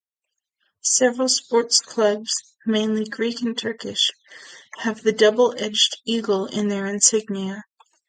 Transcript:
Several sports clubs, mainly Greek and Turkish, have the double-headed eagle in their insignia.